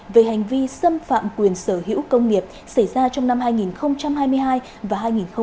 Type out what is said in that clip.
về hành vi xâm phạm quyền sở hữu công nghiệp xảy ra trong năm hai nghìn hai mươi hai và hai nghìn hai mươi hai